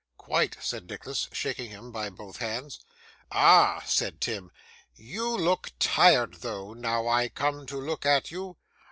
'Quite,' said Nicholas, shaking him by both hands. 'Ah!' said Tim, 'you look tired though, now I come to look at you.